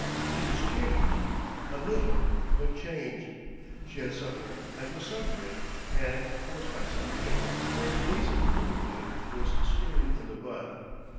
She was changed a little, but changed; she had suffered, and was suffering and, forced by suffering, her nascent womanhood was stirring in the bud.